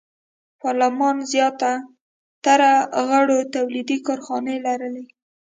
پارلمان زیاتره غړو تولیدي کارخانې لرلې.